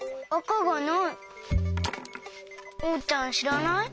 おうちゃんしらない？